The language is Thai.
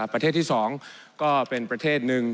ประเทศที่๒ก็เป็นประเทศหนึ่ง